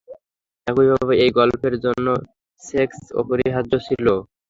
একইভাবে, এই গল্পের জন্য সেক্স অপরিহার্য ছিল।